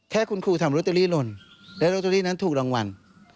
แค่คุณครูทำโรตเตอรี่หล่นและโรตเตอรี่นั้นถูกรางวัล